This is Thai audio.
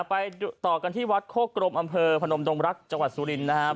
ไปต่อกันที่วัดโฆกรมอำเภอพนมดงรักษ์จสุรินนะครับ